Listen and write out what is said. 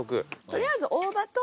取りあえず大葉と。